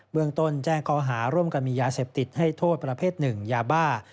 เมืองต้นแจ้งข้อหาร่วมกันมียาเสพติดให้โทษประเภทหนึ่งยาบ้า